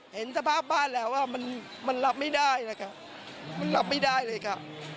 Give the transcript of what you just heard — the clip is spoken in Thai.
เห็นสภาพบ้านแล้วมันรับไม่ได้นะคะมันรับไม่ได้เลยค่ะ